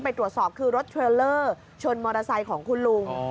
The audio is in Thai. ไปตรวจสอบคือรถเทรลเลอร์ชนมอเตอร์ไซค์ของคุณลุง